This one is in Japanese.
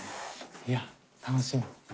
いやあ楽しみ。